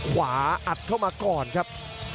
อัดเข้ามาก่อนครับ